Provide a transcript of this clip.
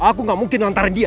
aku gak mungkin lontar dia